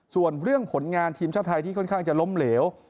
ส่วนเรื่องผลงานทีมชาติไทยที่ค่อนข้างจะล้มเหลว